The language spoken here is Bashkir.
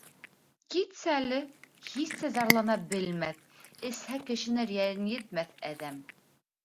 — Китсәле, һис тә зарлана белмәҫ, эсһә кешене рәнйетмәҫ әҙәм.